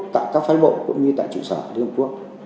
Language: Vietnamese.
tại các phái bộ cũng như tại trụ sở của liên hợp quốc